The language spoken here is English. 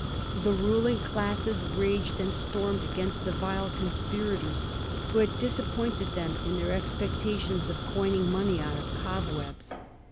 The ruling classes raged and stormed against the vile conspirators who had disappointed them in their ex pectations of coining money out of cobwebs.